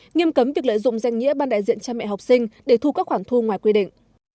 nghiêm cấm việc lợi dụng danh nghĩa ban đại diện cha mẹ học sinh để thu các khoản thu ngoài quy định